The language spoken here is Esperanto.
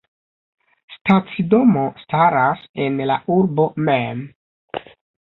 Stacidomo staras en la urbo mem.